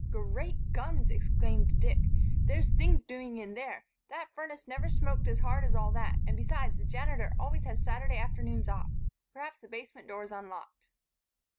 "Great guns!" exclaimed Dick. "There's things doing in there! That furnace never smokes as hard as all that and besides the Janitor always has Saturday afternoons off. Perhaps the basement door is unlocked."